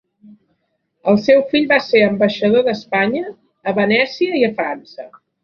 El seu fill va ser ambaixador d'Espanya a Venècia i a França.